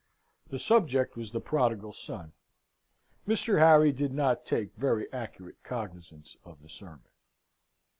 The subject was the Prodigal Son. Mr. Harry did not take very accurate cognisance of the sermon.